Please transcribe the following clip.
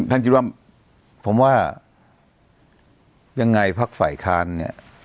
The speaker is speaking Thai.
ท่านคิดว่าผมว่ายังไงพักฝ่ายค้านเนี่ย